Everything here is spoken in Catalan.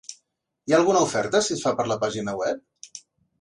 Hi ha alguna oferta si es fa per la pàgina web?